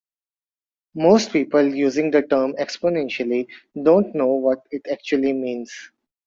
Most people using the term "exponentially" don't know what it actually means.